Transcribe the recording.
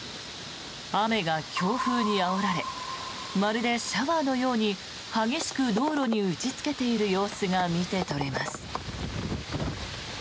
雨が強風にあおられまるでシャワーのように激しく道路に打ちつけている様子が見て取れます。